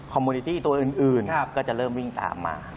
โมนิตี้ตัวอื่นก็จะเริ่มวิ่งตามมา